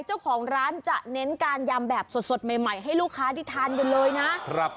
เจ้าของร้านจะเน้นการยำแบบสดใหม่ให้ลูกค้าที่ทานอยู่เลยนะ